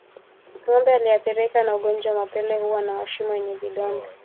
Ngombe aliyeathirika na ugonjwa wa mapele huwa na mashimo yenye vidonda